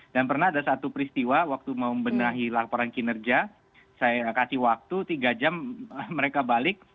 dan pernah ada satu peristiwa waktu membenahi laporan kinerja saya kasih waktu tiga jam mereka balik